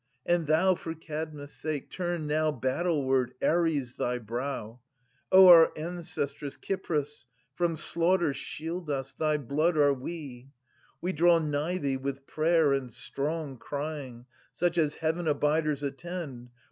And thou For Kadmus* sake turn now Battleward, Ares, thy brow ! Oh, our ancestress, Kypris, from slaughter 140 Shield us !— thy blood are we ! We draw nigh thee with prayer and strong crying Such as Heaven abiders attend.